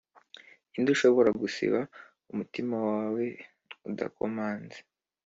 ninde ushobora gusiba umutima wawe udakomanze,